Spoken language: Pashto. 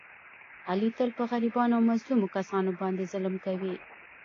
علي تل په غریبانو او مظلومو کسانو باندې ظلم کوي.